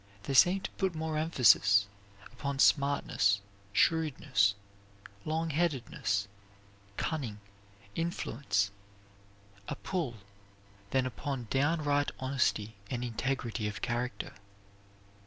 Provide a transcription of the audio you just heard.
They seem to put more emphasis upon smartness, shrewdness, long headedness, cunning, influence, a pull, than upon downright honesty and integrity of character.